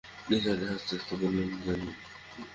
নিসার আলি হাসতে-হাসতে বললেন, জানি।